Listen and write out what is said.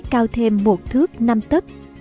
cao thêm một thước năm tất